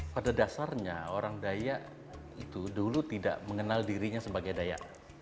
pada dasarnya orang dayak itu dulu tidak mengenal dirinya sebagai daya